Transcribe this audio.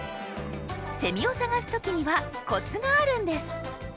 セミを探す時にはコツがあるんです。